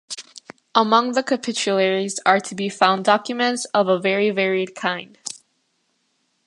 Among the capitularies are to be found documents of a very varied kind.